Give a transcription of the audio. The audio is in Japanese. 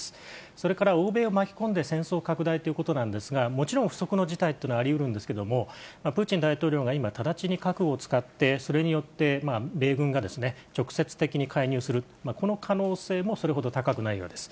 それから欧米を巻き込んで戦争拡大ということなんですが、もちろん不測の事態っていうのはありうるんですけども、プーチン大統領が今、直ちに核を使って、それによって、米軍が直接的に介入する、この可能性もそれほど高くないようです。